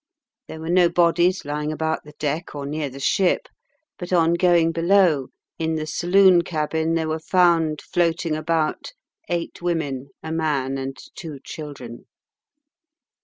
There were no bodies lying about the deck or near the ship; but on going below, in the saloon cabin there were found floating about eight women, a man, and two children.